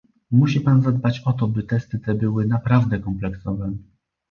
Musi Pan zadbać o to, by testy te były naprawdę kompleksowe